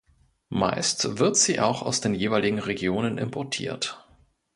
Meist wird sie auch aus den jeweiligen Regionen importiert.